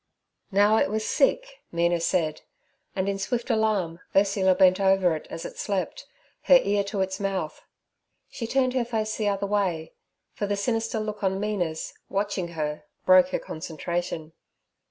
Now it was sick, Mina said, and in swift alarm Ursula bent over it as it slept, her ear to its mouth. She turned her face the other way, for the sinister look on Mina's, watching her, broke her concentration.